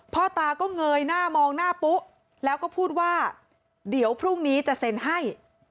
พ่อตาก็เงยหน้ามองหน้าปุ๊แล้วก็พูดว่าเดี๋ยวพรุ่งนี้จะเซ็นให้